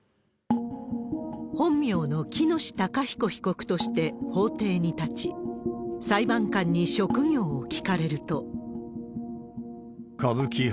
本名の喜熨斗孝彦被告として法廷に立ち、裁判官に職業を聞かれると。